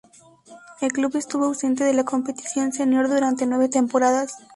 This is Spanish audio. El club estuvo ausente de la competición senior durante nueve temporadas.